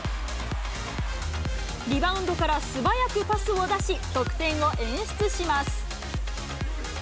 リバウンドから素早くパスを出し、得点を演出します。